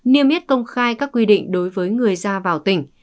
niêm yết công khai các quy định đối với người ra vào tỉnh